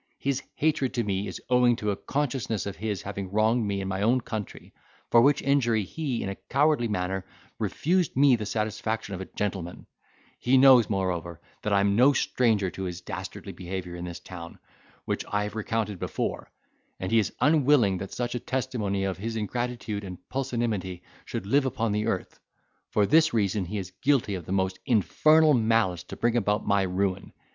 His hatred to me is owing to a consciousness of his having wronged me in my own country—for which injury he in a cowardly manner, refused me the satisfaction of a gentleman; he knows, moreover, that I am no stranger to his dastardly behaviour in this town, which I have recounted before, and he is unwilling that such a testimony of his ingratitude and pusillanimity should live upon the earth; for this reason he is guilty of the most infernal malice to bring about my ruin.